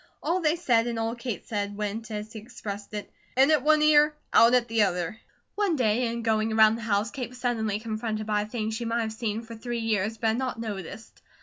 All they said and all Kate said, went, as he expressed it, "in at one ear, out at the other." One day in going around the house Kate was suddenly confronted by a thing she might have seen for three years, but had not noticed.